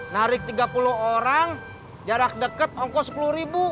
narik tiga puluh orang jarak dekat ongkos sepuluh ribu